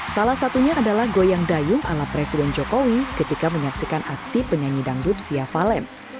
salah satunya adalah goyang dayung ala presiden jokowi ketika menyaksikan aksi penyanyi dangdut fia valen